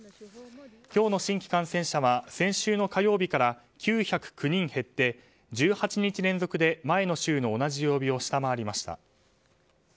今日の新規感染者は先週の火曜日から９０９人減って１８日連続で前の週の同じ曜日を下回りました。